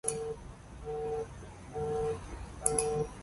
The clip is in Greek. Μ' έπιασε ανησυχία